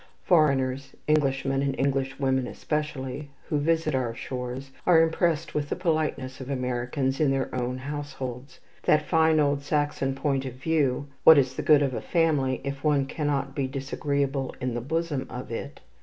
Foreigners, Englishmen and Englishwomen especially, who visit our shores, are impressed with the politeness of Americans in their own households. That fine old Saxon point of view, "What is the good of a family, if one cannot be disagreeable in the bosom of it?"